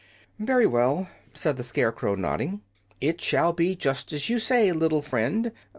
"Very well," said the Scarecrow, nodding. "It shall be just as you say, little friend.